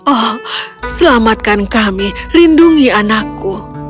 oh selamatkan kami lindungi anakku